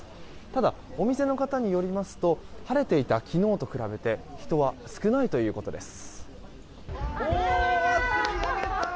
ただお店の方によりますと晴れていた昨日と比べて人は少ないということです。